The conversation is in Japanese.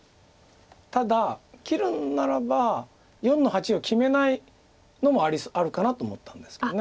ただ切るんならば４の八を決めないのもあるかなと思ったんですけど。